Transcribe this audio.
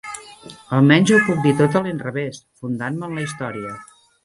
Almenys jo ho puc dir tot a l'inrevès, fundant-me en la història.